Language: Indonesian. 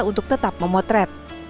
untuk tetap memotret